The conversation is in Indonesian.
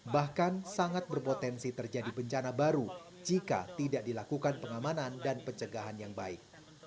bahkan sangat berpotensi terjadi bencana baru jika tidak dilakukan pengamanan dan pencegahan yang baik